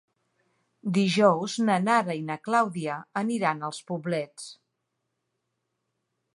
Dijous na Nara i na Clàudia aniran als Poblets.